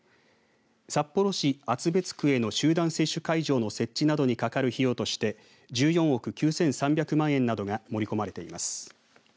札幌市厚別区への集団接種会場の設置などにかかる費用として１４億９３００万円などが盛り込まれています。